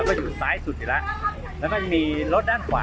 ก็เป็นอีกหนึ่งเหตุการณ์ที่เกิดขึ้นที่จังหวัดต่างปรากฏว่ามีการวนกันไปนะคะ